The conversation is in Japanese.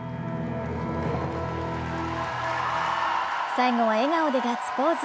最後は笑顔でガッツポーズ。